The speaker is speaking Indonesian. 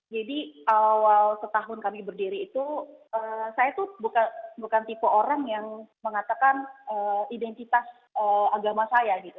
jadi awal setahun kami berdiri itu saya tuh bukan tipe orang yang mengatakan identitas agama saya gitu